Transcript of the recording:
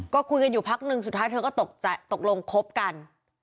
ก็คุยกันอยู่พักนึงสุดท้ายเธอก็ตกใจตกลงคบกัน